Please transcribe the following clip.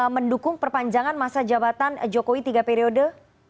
mendukung perpanjangan masa jabatan jokowi tiga periode